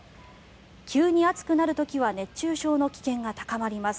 急に暑くなる時は熱中症の危険が高まります。